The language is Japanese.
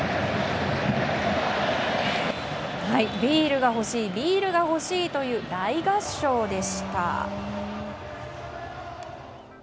ビールが欲しいビールが欲しいという大合唱でした。